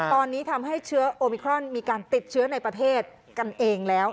ตอนนี้ทำให้เชื้อโอมิครอนมีการติดเชื้อในประเทศกันเองแล้ว